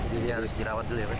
jadi dia harus dirawat dulu ya pak